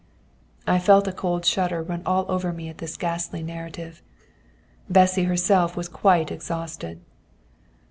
I felt a cold shudder run all over me at this ghastly narrative. Bessy herself was quite exhausted.